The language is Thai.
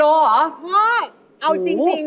๕๐โลกรัมเหรอโอ้โฮเอาจริง